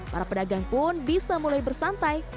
para pedagang pun bisa mulai bersantai